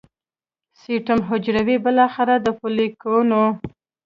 سټیم حجرې بالاخره د فولیکونو